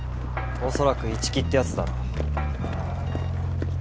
おそらく一木ってやつだろ。